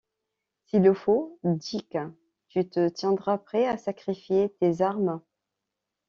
S’il le faut, Dick, tu te tiendras prêt à sacrifier tes armes.